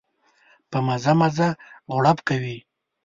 په مزه مزه غړپ کوي.